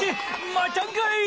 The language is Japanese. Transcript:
またんかい！